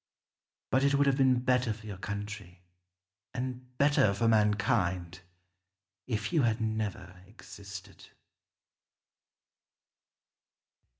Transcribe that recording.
But it would have been better for your country, and better for mankind, if you had never existed.